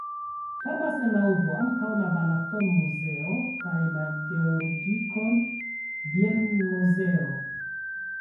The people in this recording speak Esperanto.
Famas en la urbo ankaŭ la Balaton-muzeo kaj la Georgikon-bienmuzeo.